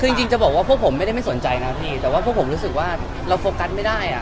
คือจริงจะบอกว่าพวกผมไม่ได้ไม่สนใจนะพี่แต่ว่าพวกผมรู้สึกว่าเราโฟกัสไม่ได้อ่ะ